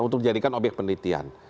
untuk dijadikan obyek penelitian